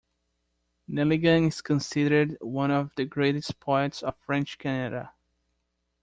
Nelligan is considered one of the greatest poets of French Canada.